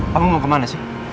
kamu mau ke mana sih